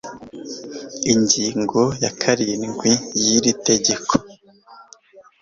Ingingo ya karindwi y'iri tegeko